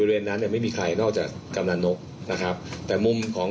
บริเวณนั้นเนี่ยไม่มีใครนอกจากกำลังนกนะครับแต่มุมของ